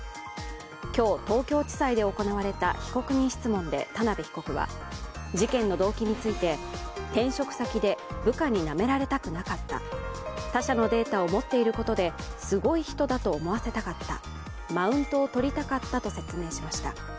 今日、東京地裁で行われた被告人質問で田辺被告は事件の動機について、転職先で部下になめられたくなかった、他社のデータを持っていることですごい人だと思わせたかったマウントを取りたかったと説明しました。